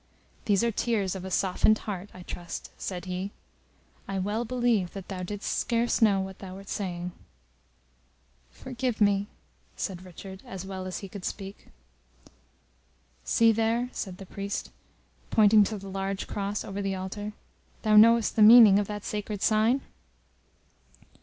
"These are tears of a softened heart, I trust," said he. "I well believe that thou didst scarce know what thou wert saying." "Forgive me!" said Richard, as well as he could speak. "See there," said the priest, pointing to the large Cross over the Altar, "thou knowest the meaning of that sacred sign?"